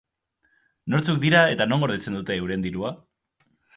Nortzuk dira eta non gordetzen dute euren dirua?